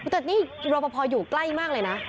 แต่นี่รอปภอยู่ใกล้มากเลยนะ